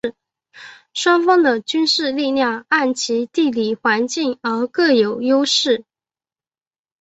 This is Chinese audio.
双方的军事力量按其地理环境而各有优势。